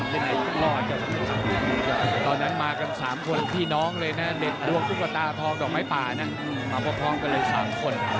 ตอนนั้นมากัน๓คนพี่น้องเลยนะเด็ดดวงตุ๊กตาทองดอกไม้ป่ามาพบพร้อมกันเลย๓คน